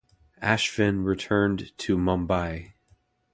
Ashvin returned to Mumbai.